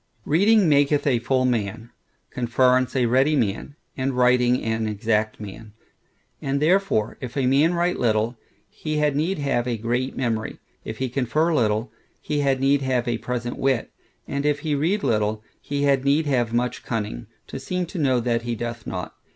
Reading maketh a full man; conference a ready man; and writing an exact man. And therefore, if a man write little, he had need have a great memory; if he confer little, he had need have a present wit: and if he read little, he had need have much cunning, to seem to know, that he doth not.